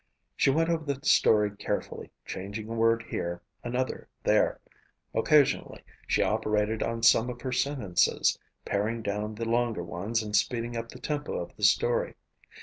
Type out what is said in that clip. She went over the story carefully, changing a word here, another there. Occasionally she operated on some of her sentences, paring down the longer ones and speeding up the tempo of the story.